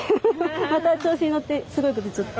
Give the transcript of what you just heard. また調子に乗ってすごいこと言っちゃった。